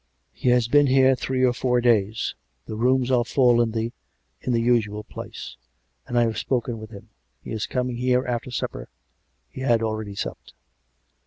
" He has been here three or four days. The rooms are full in the ... in the usual place. And I have spoken with him ; he is coming here after supper. He had already supped."